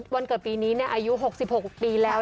วันเกิดปีนี้อายุ๖๖ปีแล้ว